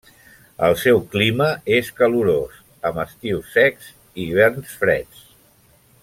El seu clima és calorós, amb estius secs i hiverns freds.